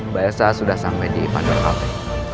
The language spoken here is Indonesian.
mbak elsa sudah sampai di pandora kafe